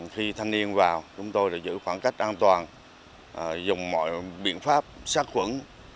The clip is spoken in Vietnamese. khi thanh niên vào chúng tôi giữ khoảng cách an toàn dùng mọi biện pháp sát khuẩn